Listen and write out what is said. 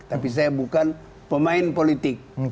tapi saya bukan pemain politik